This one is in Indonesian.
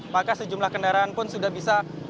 maka sejumlah kendaraan pun sudah bisa